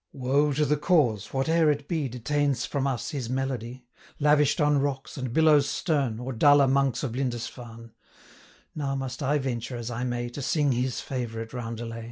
Woe to the cause, whate'er it be, Detains from us his melody, 125 Lavish'd on rocks, and billows stern, Or duller monks of Lindisfarne. Now must I venture as I may, To sing his favourite roundelay.'